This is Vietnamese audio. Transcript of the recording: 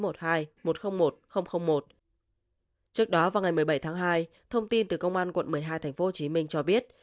trước đó vào ngày một mươi bảy tháng hai thông tin từ công an quận một mươi hai tp hồ chí minh cho biết